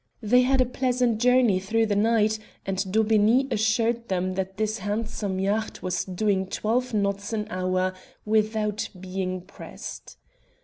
They had a pleasant journey through the night, and Daubeney assured them that his handsome yacht was doing twelve knots an hour without being pressed.